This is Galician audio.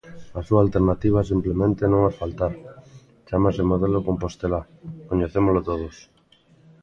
A súa alternativa simplemente é non asfaltar, chámase modelo Compostela, coñecémolo todos.